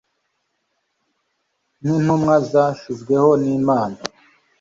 Nkintumwa zashyizweho nImana